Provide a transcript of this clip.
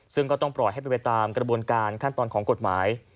ซึ่งก็ต้องปล่อยให้เป็นไปตามกระบวนการขั้นตอนของกฎหมาย